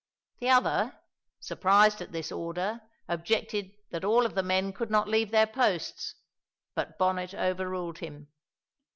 The other, surprised at this order, objected that all of the men could not leave their posts, but Bonnet overruled him.